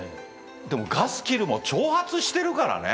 でもガスキルも挑発してるから。